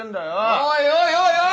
おいおいおいおい！